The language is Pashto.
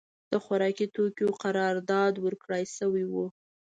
د خوارکي توکیو قرارداد ورکړای شوی و.